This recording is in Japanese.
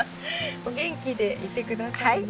お元気でいて下さいね。